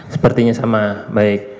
sepertinya sama baik